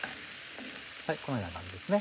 このような感じですね。